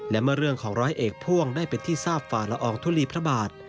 และเมื่อเรื่องของร้อยเอกพ่วงได้เป็นที่ทราบฝ่าละอองทุลีพระบาท